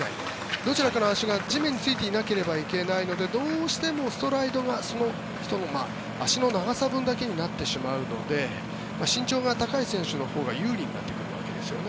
どちらかの足が地面についていなければいけないのでどうしてもストライドがその人の足の長さ分だけになってしまうので身長が高い選手のほうが有利になってくるわけですよね。